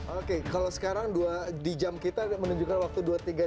oke kalau sekarang di jam kita menunjukkan waktu dua puluh tiga tiga puluh empat